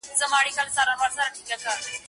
له چنګېزه تر اورنګه تر انګرېزه